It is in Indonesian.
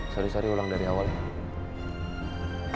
sorry sorry ulang dari awalnya